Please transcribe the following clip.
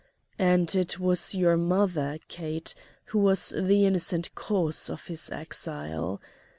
And it was your mother, Kate, who was the innocent cause of his exile.